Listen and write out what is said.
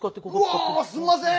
うわすんません！